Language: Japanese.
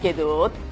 って。